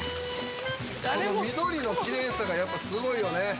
緑のキレイさがやっぱすごいよね。